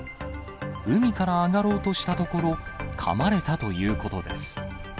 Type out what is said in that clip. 海から上がろうとしたところ、かまれたということです。